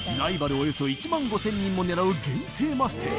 およそ１万５０００人も狙う限定マステ